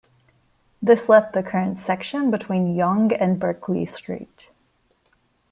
This left the current section between Yonge and Berkeley Street.